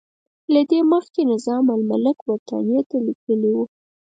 له دې مخکې نظام الملک برټانیې ته لیکلي وو.